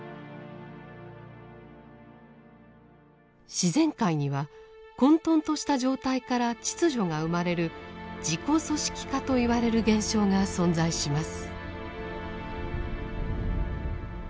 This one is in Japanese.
自然界には混沌とした状態から秩序が生まれる自己組織化と言われる現象が存在します。